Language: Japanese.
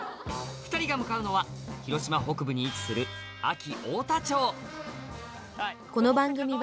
２人が向かうのは広島北部に位置するゴギ？